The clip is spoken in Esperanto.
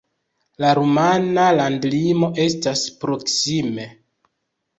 La rumana landlimo estas proksime.